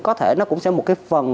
có thể nó cũng sẽ là một cái phần